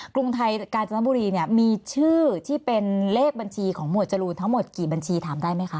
กรุงไทยกาญจนบุรีเนี่ยมีชื่อที่เป็นเลขบัญชีของหมวดจรูนทั้งหมดกี่บัญชีถามได้ไหมคะ